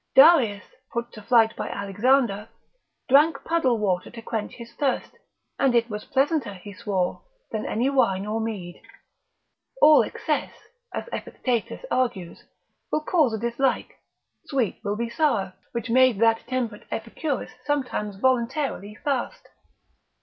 Darius, put to flight by Alexander, drank puddle water to quench his thirst, and it was pleasanter, he swore, than any wine or mead. All excess, asEpictetus argues, will cause a dislike; sweet will be sour, which made that temperate Epicurus sometimes voluntarily fast.